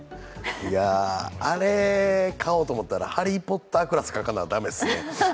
いや、あれを買おうと思ったら「ハリー・ポッター」クラス書かな駄目ですね。